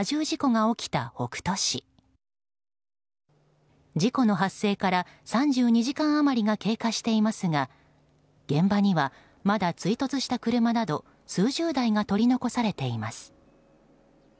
事故の発生から３２時間余りが経過していますが現場にはまだ追突した車など数十台が取り残されています。